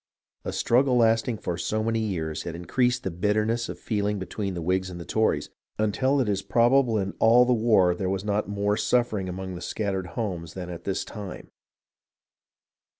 A struggle lasting for so many years had increased the bitterness of the feel ing between the Whigs and Tories, until it is probable in all the war there was not more suffering among the scat tered homes than at this time.